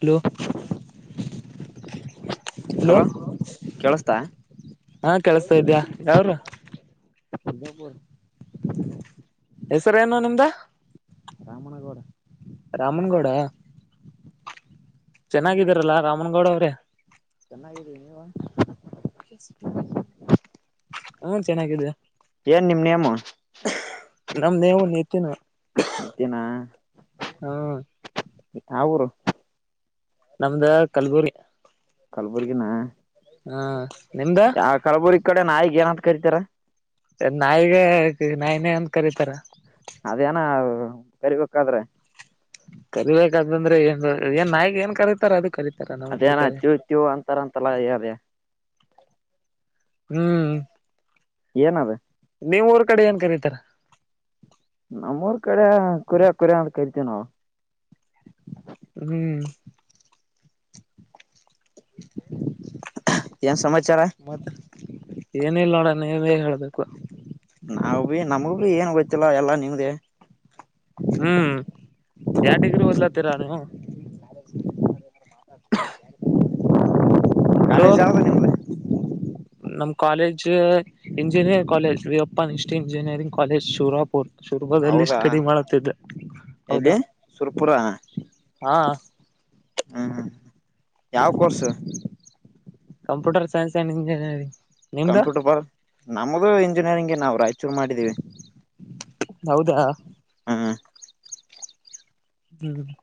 Hello hello ಕೇಳಸ್ತಾ ಕೆಳಸ್ತಾ ಇದ್ಯಾ ಯಾವುರು ಸರಜಾಪುರ್ ಹೆಸರ ಏನು ನಿಮ್ದು ರಾಮಣ್ಣಗೌಡ ರಾಮನಗೌಡ ಅ ಚೆನ್ನಾಗಿದೀರಲ್ಲಾ ರಾಮನ ಗೌಡ ಅವ್ರೇ ಚೆನ್ನಾಗಿದ್ದೀವಿ ನೀವು ಹಾ ಚೆನ್ನಾಗಿದ್ದವಿ ಏನ್ ನಿಮ್ ನೇಮ ನಮ್ಮ ನೇಮ ನಿತಿನ ನಿತ್ಯನಾ ಹ್ಮ ಯಾವ ಊರು ನಮ್ದ ಕಲ್ಬುರಿ ಕಲಬುರ್ಗಿನ ನಿಮ್ದ ಯಾವ ಕಲ್ಬುರ್ಗ ನಾಯಿಗ ಏನ ಅಂತ ಕರಿತರಾ ಈ ನಾಯಿನೇ ಅಂತ ಕರಿತಾರ ಅದೇನ ಕರಿಬೇಕಾದ್ರೆ ಕರಿಬೇಕಾದಂದ್ರೆ ಏನ್ ಏನ್ ನಾಯಿಗೆ ಏನ್ ಕರೀತಾರ ಅದು ಕರತ ಅದೇನ ತೀವ ತೀವ ಅಂತಾರ ಅಂತಲ್ಲ ಹೇಳದೆ ಹ್ಮ್ ಏನ ಅದ ನೀಮ್ಮ ಊರ್ ಕಡೆ ಏನ್ ಕರಿತಾರ ನಮ್ಮೂರ್ ಕಡೆ ಕುರ್ಯ ಕುರ ಅಂತ ಕರಿತೀವಿ ನಾವು ಹ್ಮ್ ಎನ್ ಸಮಯ ಮತ್ತ ಏನಿಲ್ಲೂಣ ನೀವೇ ಹೇಳಬೇಕು ನಾವ ಭಿ ನಮಗ ಭಿ ಏನ ಗೊತ್ತಿಲ್ಲ ಎಲ್ಲಾ ನಿಮ್ದೇ ಹ್ಮ್ ಯಾವ್ ಡಿಗ್ರಿ ಓದ್ಲತೀರಾ ನೀವು ಹಲೋ ಕಾಲೇಜ್ ಯಾವ್ದ ನಿಮ್ದ [inaudible] ನಮ್ college engineering college Veerappa Nisty engineering college ಶೂರಪ್ಪ ಹ ಶುರುಪುರಲ್ಲಿ ಹೌದಾ ಸ್ಟಡಿ ಮಾಡತಿದ್ದ ಹೌದಾ ಎಲ್ಲಿ ಸುರ್ಪುರ ಹಾ ಹ್ಮ್ ಹ್ಮ್ ಯಾವ course computer science and engineering ನಿಮ್ದ ಕಂಪ್ಯೂಟರ್ ಬ ನಮ್ಮದು ಇಂಜಿನಿಯರಿಂಗೆ ನಾವು ರಾಯಚೂರು ಮಾಡಿದೀವಿ ಹೌದಾ ಹ್ಮ್ ಹ್ಮ್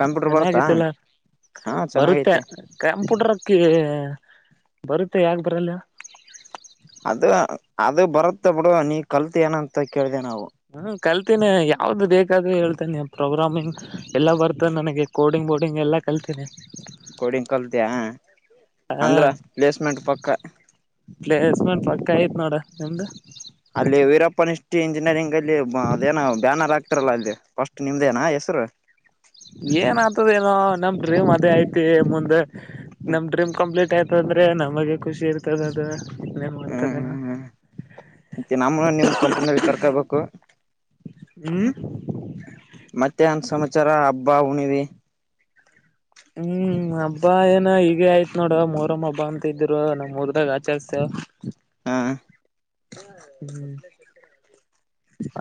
ಕಂಪ್ಯೂಟರ್ ಬರ್ತಾ ಚೆನ್ನಾಗಿತ್ತಲ್ಲ ಹಾ ಬರುತ್ತೆ ಚೆನ್ನಾಗೈತಿ ಕಂಪ್ಯೂಟರ್ಕ್ಕಿ ಬರುತ್ತೆ ಯಾಕ ಬರಲ್ಲ ಹೇಳ ಅದ ಅದು ಬರುತ್ತ ಬಿಡು ನೀ ಕಲ್ತಿ ಏನ ಅಂತ ಕೇಳ್ದ ನಾವು ಹ್ಮ ಕಲ್ತೀನಿ ಯಾವದು ಬೇಕಾದ್ರೂ ಹೇಳ್ತಾನೆ ಪ್ರೋಗ್ರಾಮಿಂಗ್ ಎಲ್ಲ ಬರ್ತಾನ ನನಗೆ ಕೋಡಿಂಗ್ ಬೋಡಿಂಗ್ ಎಲ್ಲ ಕಲ್ತಿನಿ ಕುಂಡಿಂಗ್ ಕಲ್ತ್ಯ. ಅಂದ್ರ ಪ್ಲೇಸ್ಮೆಂಟ್ ಪಕ್ಕ. ಕ ಐತ್ ನೋಡ ನಿಂದು. ಟಿ ಇಂಜಿನಿಯರಿಂಗ್ ಅಲ್ಲಿ ಬ ಅದೇನ ಬ್ಯಾನರ್ ಆಗ್ತರಲ್ಲಾ ಅಲ್ಲಿ ಫಸ್ಟ್ ನಿಮ್ದೇನ ಹೆಸ್ರು. ಏನ್ ಆತದ ಏನೋ ನಮ್ ಡ್ರೀಮ್ ಅದೇ ಐತಿ ಮುಂದ. ನಮ್ ಡ್ರೀಮ್ ಕಂಪ್ಲೀಟ್ ಆಯ್ತ ಅಂದ್ರೆ ನಮಗೆ ಖುಷಿ ಇರ್ತದ ಅದ. ಇನ್ನೇನ್ ಮಾಡ್ತದೇನ. ಹ್ಮ್ ಮತ್ತೆ ನಮ್ಮೂ ನಿಮ್ ಕಂಪ್ನ್ಯಾಗ್ ಕರ್ಕೊಬೇಕು. ಹ್ಮ್ ಮತ್ತ್ಯನ್ ಸಮಾಚಾರ ಹಬ್ಬ ಹುಣವಿ. ಹ್ಮ್ ಹ್ಮ್ ಹಬ್ಬ ಏನ ಹೀಗೆ ಆಯ್ತ್ ನೋಡ ಮೂರಮ್ಮ್ ಹಬ್ಬ ಅಂತ ಇದ್ರು ನಮ್ಮೂರದಾಗ್ ಆಚರಸ್ತೆವ ಹಾ ಹ್ಮ್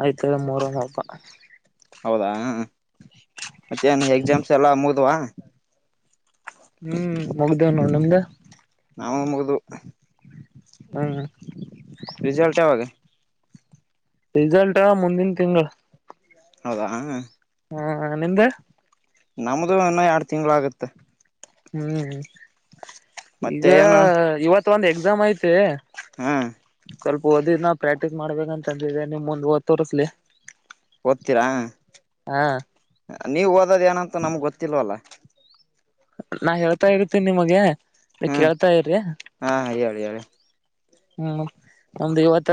ಆಯ್ತದ ಮೋರಮ್ ಹಬ್ಬ. ಹೌದಾ ಮತ್ತೆನ ಎಕ್ಸಾಮ್ಸ್ ಎಲ್ಲಾ ಮುಗದುವಾ. ಹ್ಮ್ ಮುಗದಾವ್ ನಿಮ್ದ. ನಮ್ಮು ಮುಗದು. ಹ್ಮ್ ರಿಜಲ್ಟ್ ಯಾವಾಗ. ರಿಜಲ್ಟ್ ಅ ಮುಂದಿನ ತಿಂಗಳ. ಹೌದಾ ಹಾ ನಿಂದ. ನಮ್ದು ಇನ್ನ ಎರಡ ತಿಂಗಳ ಆಗತ್ತ. ಹ್ಮ್ ಈಗ ಮತ್ತೆ ಏನು ಇವತ್ ಒಂದ ಎಕ್ಸಾಮ್ ಐತೆ. ಹಾ ಸ್ವಲ್ಪ ಓದಿದ್ ನ ಪ್ರಾಕ್ಟೀಸ್ ಮಾಡ್ಬೇಕಂತ ಅಂದಿದ್ದೆ ನಿಮ್ ಮುಂದ ತೋರಿಸ್ಲಿ. ಓದ್ತೀರಾ ನೀವ ಓದೋದ ಏನಂತ ನಮ್ಗ್ ಗೊತ್ತಿಲ್ವಲ್ಲ. ನಾ ಹೇಳ್ತಾ ಇರ್ತೀನಿ ನಿಮಗೆ ನೀ ಹ್ಮ್ ಕೇಳ್ತಾ ಇರ್ರಿ. ಹಾ ಹೇಳಿ ಹೇಳಿ ಹ್ಮ್ ಒಮ್ದ್ ಇವತ್ತ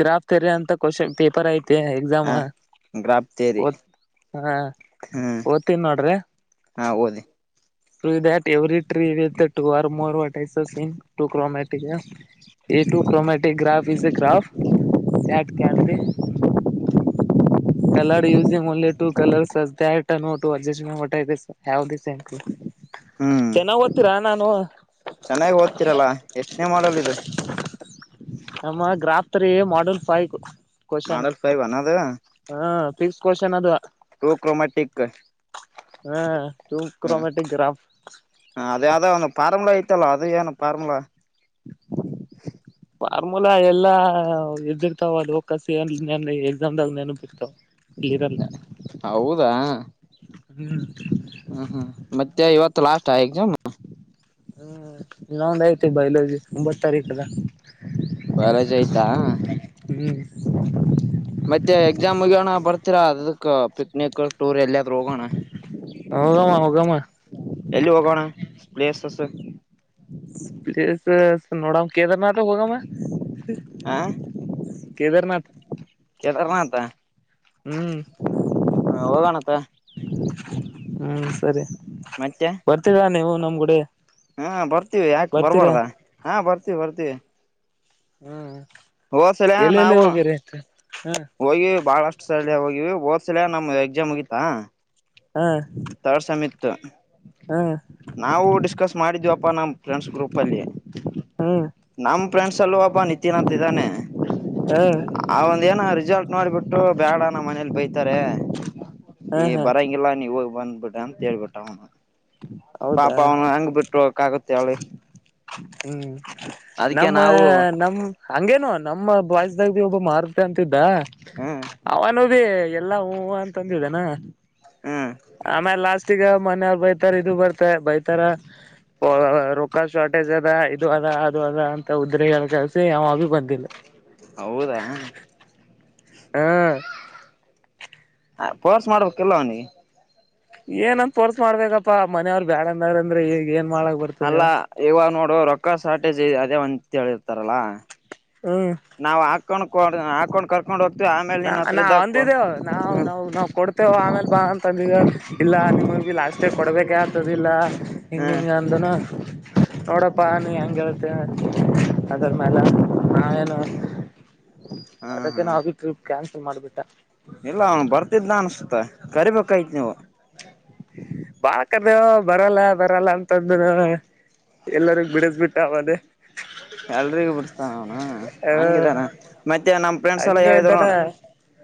ಗ್ರಾಫ್ ತೆರ್ರ ಅಂತ ಕ್ವಶನ್ ಪೇಪರ್ ಐತ್ ತೆ ಎಕ್ಸಾಮ ಹಾ ಗ್ರಾಪ್ ತೇರಿ ಒತ್ ಹ ಹ್ಮ್ ಓದ್ತನಿ ನೋಡ್ರಿ. ಹಾ ಓದಿ. ಟುವಿ that Yuri tree with two or more uh vertices in two I Chrome ಮ್ಯಾಟಿಗೆ. ಎಟು chromatic graph is a graph that can B. [inaudible] Coloured ಯೂಸಿಯಂ only two colour ಸಸ್ that note [unintelligible] what I this have this. Thank you ಹ್ಮ್ ಚೆನ್ನಾಗ್ ಓದ್ತೀರಾ ನಾನು. ಚೆನ್ನಾಗಿ ಓದ್ತಿರಲ್ಲ ಎಷ್ಟನೇ model ಇದು. ನಮ್ಮ graph theory ಮಾಡಲ್ five question ಮಾಡಲ್ five ಅನ್ನೋದು ಹ. ಸಿಕ್ಸ್ ಕೋಶನ್ ಅದು. True chromatic. ಹ್ಮ ಟು ಕ್ರೋಮೆಟಕ್ ಗ್ರಾಫ್. ಫಾರಂಲ ಐತಲ ಅದು ಏನು ಫಾರ್ಮುಲಾ. ಫಾರ್ಮುಲಾ ಎಲ್ಲಾ ಇದ್ದಿರ್ತವಲ್ಲೊ ಕಸಿ ಎನ್ ನೆನ್ ಎಕ್ಸಾಮ್ದಾಗ ನೆನಪ್ ಇರ್ತವ. ಹೌದಾ. ಹ್ಮ್ ಹ್ಮ್ ಹ್ಮ್ ಮತ್ತೆ ಇವತ್ತ ಲಾಸ್ಯ ಆ ಎಕ್ಸಾಮ್. ಹ್ಮ್ ಹಿನಾ ಒಂದ್ ಆಯ್ತಿ ಬಯೋಲಜಿ ಒಂಬತ್ ತಾರೀಕದ. ಬರೆಜ್ ಆಯ್ತಾ. ಹ್ಮ್ ಮತ್ತೆ ಎಕ್ಸಾಮ್ ಮುಗ್ಯಣ ಬರ್ತೀರಾ ಅದಕ್ ಪಿಕ್ನಿಕ್ ಟೂರ ಎಲ್ಲಾದ್ರೂ ಹೋಗೋಣ. ಹೋಗಮ್ಮ ಹೋಗಮ್ಮ ಎಲ್ಲಿ ಹೋಗೋಣ ಪ್ಲೇಸಸ. ಪ್ಲೇಸಸ ನೋಡಮ್ ಕೇದಾರ್ನಾಥ್ ಹೋಗಮ ಹ್ ಹ ಕೇದಾರನಾಥ್. ಅದ. ಹ ಹೋಗಣತ್ತ ಹ್ಮ್ ಸರಿ ಮತ್ತೆ ಬರ್ತೀರಾ ನೀವು ನಮ್ಗುಡೆ ಹಾ ಬರ್ತೀವಿ ಯಾಕ್ ಬರ್ಬಾರ್ದ ಹಾ ಬರ್ತೀವ್ ಬರ್ತೀವಿ. ಹ್ಮ ಎಲ್ಲೆಲ್ಲಿ ಹೋಗಿರಿ ಆತ್ತ, ಹೋಗಿವಿ ಬಾಳಷ್ಟು ಸಲ ಹೋಗಿವಿ ಹೊದ್ಸಲ ನಮ್ ಎಕ್ಸಾಮ್ ಮುಗೀತಾ ಹಾ ತರ್ಡ್ ಸೆಮ್ ಇತ್ತು. ಹಾ ನಾವು ಡಿಸ್ಕಸ್ ಮಾಡಿದ್ವಪ್ಪಾ ನಮ್ಮ ಫ್ರೆಂಡ್ಸ್ ಗ್ರೂಪಲ್ಲಿ ಹ್ಮ್ ನಮ ಫ್ರೆಂಡ್ಸ್ ಅಲ್ಲೂ ಓಬ್ಬ ನಿತಿನ್ ಅಂತಿದ್ದಾನೆ. ಹಾ ಹಾ ಆ ಒಂದ ಏನೋ ರಿಸಲ್ಟ್ ನೋಡ್ಬಿಟ್ಟು ಬ್ಯಾಡ ನಮ್ ಮನೇಲ್ ಬೈತಾರೆ. ಹಾ ಈ ಹಾ ಬರಂಗಿಲ್ಲ ನೀವೊಗಿ ಬಂದ್ಬಿಡ ಅಂತ ಹೇಳ್ಬಿಟ್ಟ ಅವನ. ಪಾಪ ಹೌದಾ ಅವ್ನ ಹೆಂಗ್ ಬಿಟ್ ಹೋಗಕ್ ಆಗತ್ ಹೇಳಿ. ಹ್ಮ್ ಅದಕ್ಕೆ ನಮ್ಮ ನಾವು ನಮ್ ಹಂಗೇನು ನಮ್ಮ ಬಾಯ್ಸ್ ಗಳ್ಗೇನು ಒಬ್ಬ ಮಾರ್ತ್ಯ ಅಂತಿದ್ದ ಹ್ಮ್ ಅವ್ನು ಏ ಎಲ್ಲಾ ಹೂ ಹೂವ ಅಂತ್ ಅಂದಿದನಾ ಹ್ಮ್ ಆಮೇಲ್ ಲಾಸ್ಟಿಗ ಮನೆಯವ್ರ್ ಬೈತಾರ್ ಇದು ಬರ್ತೆ ಬೈತಾರ ರೊಕ್ಕ ಶಾರ್ಟೇಜ್ ಅದ ಇದು ಅದ ಅದು ಅದ ಅಂತ ಉದ್ರಿ ಏನ್ ಕೆಲ್ಸ್ ಸ ಅವ ಭಿ ಬಂದಿಲ್ಲ ಹೌದಾ ಹಾ ಅ ಪೋರ್ಸ್ ಮಾಡ್ಬೇಕಿಲ್ಲೋ ಅವ್ನಿಗೆ. ಏನಂದ ಪೋರ್ಸ್ ಮಾಡ್ಬೇಕಪ್ಪಾ ಮನೆಯವ್ರು ಬ್ಯಾಡಂದಾರ ಅಂದ್ರೆ ಈಗೆನ್ ಅಲ್ಲಾ ಇವಾಗ್ ನೋಡು ರೊಕ್ಕ ಶಾರ್ಟೇಜ್ ಅದೇ ಅಂತ್ ಹೇಳಿರ್ತಾರಲ್ಲ ಹ್ಮ್ ಕೊಡ್ ಹಾಕೊಂಡ್ ಕರ್ ನ ನಾ ಅಂದಿದ್ದೇವು ನಾವು ಹ್ಮ ನಾವು ನಾವ್ ಕೊಡ್ತೇವ ಆಮೇಲ್ ಬಾ ಅಂತಂದಿದ ಇಲ್ಲ ನಿಮಗ್ ಬಿ ಲಾಸ್ಟ್ ಷ್ಟೆ ಕೊಡಬೇಕಾಗ್ತದಿಲ್ಲ ಹಿಂಗೆ ಹ್ಮ್ ಹಿಂಗ್ ಅಂದನು ನೋಡಪ್ಪ ನೀ ಹೆಂಗೆಳ್ತೆ ಅ ಅದ್ರ ಮೇಲೆ ನಾವೇನು ಹಾ ಅದಕ್ಕೆ ಹಾ ನಾವ್ ಬಿ ಟ್ರಿಪ್ ಕ್ಯಾನ್ಸಲ್ ಮಾಡ್ಬಿಟ್ಟ. ಇಲ್ಲ ಅವ್ನು ಬರ್ತಿದ್ನ ಅನ್ಸುತ್ತತ ಕರಿಬೇಕಾಯಿತ್ ನೀವು. ಬಾ ಕರ್ದ ಬರಲ್ಲ ಬರಲ್ಲ ಅಂತದ್ನು ಎಲ್ಲರಿಗ ಬಿಡಿಸ್ ಬಿಟ್ಟ ಅವ ಆದೇ [inaudible] ಎಲ್ರಿಗೂ ಬಿಡಿಸ್ತಾನ ಅವ್ನ ಹ ಹಂಗಿದಾನ ಮತ್ತೆ ನಮ್ಮ್ ಫ್ರೆಂಡ್ಸ್ ಎಲ್ಲ ಹಂಗೆ ಹೇಳಿದ್ರ್ ಇದ್ದಾನ ನೋಡ್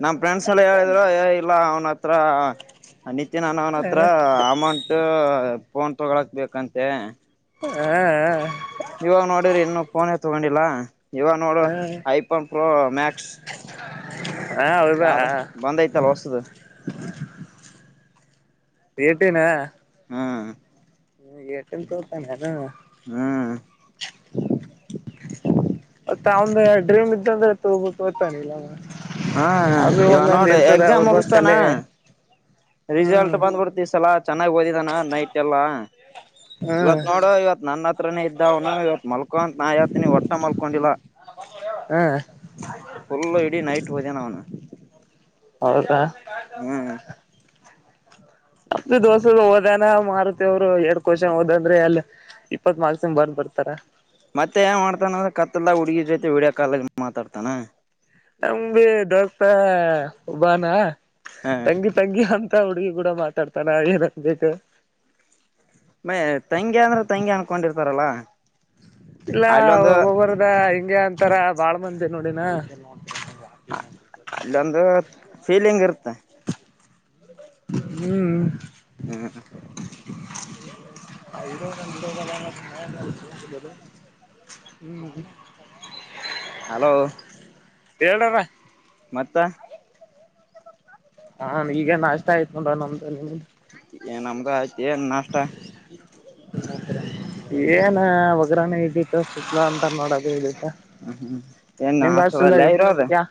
ನಮ್ ಫ್ರೆಂಡ್ಸ್ ಎಲ್ಲ ಹೇಳಿದ್ರು ಏಯ್ ಇಲ್ಲ ಅವ್ನತ್ ಅತ್ರ ಆ ನಿತಿನ್ ಅನ್ನೌನತ್ರ ಹ ಅಮೌಂಟು ಫೋನ್ ತೊಗೊಳಕ್ ಬೇಕಂತೆ ಹ್ಮ್ ಹಾ ಇವಾಗ ನೋಡಿರ್ ಇನ್ನು ಫೋನೆ ತಗೊಂಡಿಲ್ಲಾ ಇವಾಗ ನೋಡು ಹಾ ಐಫೋನ್ ಪ್ರೋ ಮ್ಯಾಕ್ಸ್ ಹಾ ಹೌದಾ ಯಾವ್ದ ಬಂದೈತಲ್ಲ ಹೊಸದು ಪೆಟಿನ ಹ್ಮ್ ಹ ಏರ್ಟೆಲ್ ತೋಗೊತಾನ್ ಅದೇನ ಹ್ಮ್ ಮತ್ತ ಅವ್ನ್ದ ಡ್ರೀಮ್ ಇದ್ದಂದ್ರೆ ತಗೋಬೇಕ್ ತಾನ್ ಇಲ್ಲನ ಹಾ ಅವ್ರಿಗೆ ಇವ ಒನ್ನೊಂದ್ ನೋಡ ಇರ್ತದ ಎಕ್ಸಾಮ್ ಅವರ್ಬ ಮುಗಿಸ್ತಾನ ಕಲೆ ರಿಸಲ್ಟ್ ಹ್ಮ್ ಬಂದ್ಬಿಡ್ತ ಈ ಸಲ ಚೆನ್ನಾಗ್ ಓದಿದಾನ ನೈಟ್ ಎಲ್ಲ. ಹ್ಮ್ ಇವತ್ ನೋಡು ಇವತ್ ನನ್ನತ್ ಹತ್ರನೇ ಇದ್ದ ಅವ್ನು ಇವತ್ ಮಲ್ಕೊ ಅಂತ್ ನಾ ಹೆಳ್ತಿನಿ ಒಟ್ಟ ಮಲ್ಕೊಂಡಿಲ್ಲ ಹ್ಮ್ ಫುಲ್ ಇಡೀ ನೈಟ್ ಓದ್ಯಾನ್ ಅವ್ನು. ಹೌದಾ ಹತ್ತು ದೋಸ ಹೋದನ ಮಾರುತಿ ಅವ್ರು ಎರಡ್ ಕೋಷನ್ ಹೋದಂದ್ರೆ ಅಲ್ಲಿ ಇಪ್ಪತ್ ಮಾರ್ಕ್ಸಂಗ್ ಬರ್ದ್ ಬರ್ತಾರ. ಮತ್ತೆ ಏನ್ ಮಾಡ್ತಾನವ ಕತ್ತಿಲ್ಲ ಹುಡುಗಿ ಜೊತೆ ವೀಡಿಯೋ ಕಾಲಗ ಮಾತಾಡ್ತಾನ. ತಂಗಿ ದೊಸ್ತ ಬಾನ ಹ ತಂಗಿ ತಂಗಿ ಅಂತ ಹುಡುಗಿ ಕೂಡ ಮಾತಾಡ್ತಾನ ಏನಕ್ ಬೇಕ್ ಮೆ ತಂಗಿ ಅಂದ್ರೆ ತಂಗಿ ಅನ್ಕೊಂಡಿರ್ತಾರಲ್ಲ. ಇಲ್ಲ ಅಲ್ಲೊಂದು ಒಬರ್ದ ಹಿಂಗೆ ಅಂತಾರ ಬಾಳ್ ಮಂದಿ ನೋಡಿನ ಹ ಅಲ್ಲೊಂದು ಫೀಲಿಂಗ್ ಇರುತ್ತೆ. ಹ್ಮ್ ಹ್ಮ್ ಐರೋ ರೋ ಬಲಾನ ಕ [unintelligible] ಹ್ಮ್ ಹಲೋ ಹೇಳಾರ ಮತ್ತೆ ಹಾ ಈಗ ನಾಷ್ಟ ಆಯ್ತು ನೋಡ ನಮ್ದು ನಿಮ್ದು ಏ ನಮ್ದು ಆಯ್ತ್ ಏನ್ ನಾಷ್ಟ ಏನ ಒಗ್ರಾಣೆ ಇ ಸುಕ್ಲ ಅಂತ ನೋಡದು ಇದ ಏನ್ ನಿಮ್ ಹಾಸ್ಟೆಲ್ ಹಾಸಲ್ ಅಲ್ಲೇ ಇರೋದು ಯಾ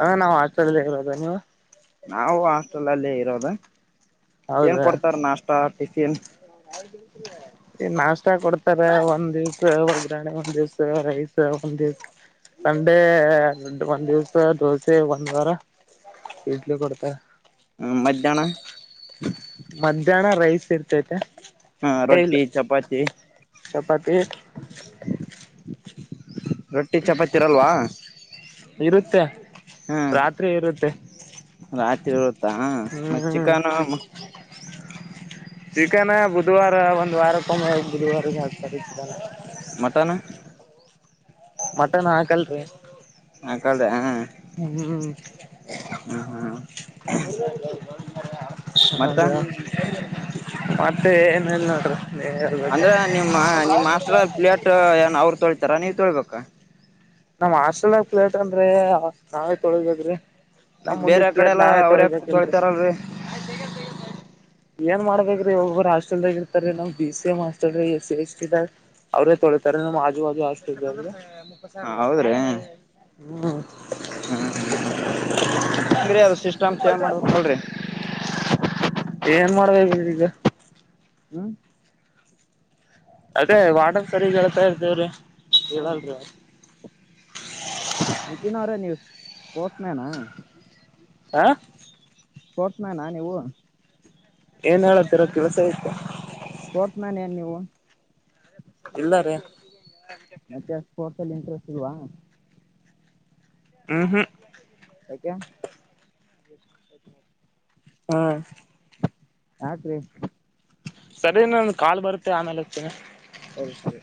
ಆ ನಾವು ಹಾಸ್ಟೆಲ್ ಅಲ್ಲೇ ಇರೋದು. ನೀವು? ನಾವು ಹಾಸ್ಟೆಲ್ ಅಲ್ಲಿ ಇರೋದ್. ಏನ್ ಹೌದಾ ಕೊಡ್ತಾರ ನಾಷ್ಟ? ಎಸ ಎನ್ [unintelligible] ಏ ನಾಷ್ಟ ಕೊಡ್ತಾರೆ ಒಂದ್ ದಿವಸ ಒಗ್ರಾಣೆ ಒಂದ್ ದಿವಸ ರೈಸ್ ಹ್ ಒಂದು ದಿವ್ ಸಂಡೇ ಒಂದ್ ದಿವಸ ದೋಸೆ ಒಂದ್ ವಾರ. ಇಡ್ಲಿ ಕೊಡ್ತ ಮಧ್ಯಾಹ್ನ ಮಧ್ಯಾಹ್ನ ರೈಸ್ ಇರ್ತೈತೆ ಹಾ ಏ ಇಲ್ಲ ರೊಟ್ಟಿ, ಚಪಾತಿ ಚಪಾತಿ ರೊಟ್ಟಿ ಚಪಾತಿ ಇರಲ್ವಾ? ಇರುತ್ತೆ. ಹಾ ರಾತ್ರಿ ಇರುತ್ತೆ ರಾತ್ರಿ ಇರುತ್ತಾ ಮತ್ ಹ್ಮ ಚಿಕನ್ ಚಿಕನ ಬುಧವಾರ ಒಂದ್ ವಾರ್ ಕವ ಮಾಡ [unintelligible] ಮಟನ್ ಮಟನ್ ಹಾಕಲ್ ರೀ ಹಾಕಲ್ದಾ ಹ್ಮ್ ಹ್ಮ ಮತ್ತ ಹದ [unintelligible] ಮತ್ತೆ ಏನು ಇಲ್ಲ ನೋಡ್ರಿ ಎಲ್ಲಾ ಹೇಳ್ಬೇಕು. ಅಂದ್ರ ನಿಮ್ಮ ನಿಮ್ ಹಾಸ್ಟೆಲ್ ಪ್ಲೇಟ್ ಏನ್ ಅವ್ರು ತೊಳಿತಾರ ನೀವ್ ತೊಳ್ಬೇಕಾ ನಮ್ ಹಾಸ್ಟೆಲ್ ಆಗ ಪ್ಲೇಟ್ ಅಂದ್ರೆ ನಾವೇ ತೊಳಿಬೇಕ್ ರೀ ನಮ್ ಮತ್ ಬೇರೆ ಉಂಡಿದ್ ಕಡೆ ಪ್ಲೇಟ್ ಎಲ್ಲಾ ನಾವೇ ಅವ್ರ ತೊಳಿಬೇಕಿಲ್ ರೀ ತೊಳಿತಾರಲ್ರರಿ ಏನ್ ಮಾಡ್ಬೇಕ್ ರೀ ಒಬೊಬ್ರು ಹಾಸ್ಟೆಲ್ ದಾಗ ಇರ್ತರೆ ನಮ್ ಬಿ ಸಿ ಎಂ ಹಾಸ್ಟೆಲ್ ದಾಗ ಇಷ್ಟೇ ಇದೆ. ಅವ್ರೇ ತೊಳಿತ್ತಾರೆ ಎನ್ ಹೌದ್ರಿ ಹ್ಮ್ ಹ್ಮ್ ಹ್ಮ್ ಹ್ಮ್ ಮತ್ತೆ ಹೆಂಗ್ರೀ ಅದ್ ಸಿಸ್ಟಮ್ ಚೇಂಜ್ ಮಾಡ್ಬೇಕ್ ನೋಡ್ರಿ. ಹ [unintelligible] ಏನ್ ಮಾಡ್ಬೇಕ್ ಇಲ್ ಇದು ಹ್ಮ ಅದೇ ವಾರ್ಡನ್ ಸರಿ ಹೇಳ್ತಾ ಇರ್ತೇವ್ರಿ ರೀ ಹಾ ಇಲ್ಲ ನಿತಿನ್ ಅವರೇ ನೀವು ಸ್ಪೋರ್ಟ್ಸ್ ಮ್ಯಾನಾ? ಆ ಸ್ಪೋಟ್ಸ್ ಮ್ಯಾನ ನೀವು ಏನ್ ಹೇಳತ್ತಿರ ಕೆಲಸ ಐತ ಪೋಸ್ಟ್ ಮೆನ್ ನಾ ನೀವು. ಇಲ್ಲಾರೆ. ಮತ್ತೆ ಸ್ಪೋರ್ಟ್ಸ್ ಅಲ್ಲಿ ಇಂಟ್ರೆಸ್ಟ್ ಸಿಗವಾ. ಹ್ಮ್ ಹ್ಮ. [unintelligible] ಹಾ. ರಾತ್ರಿ. ಸರಿ ನಂದು ಕಾಲ್ ಬರುತ್ತೆ ಆಮೇಲೆ. ಹಚ್ತೀನಿ ಸರಿ ಸರಿ.